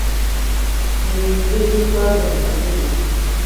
Eyo y'engeri gye twagwa mu katego.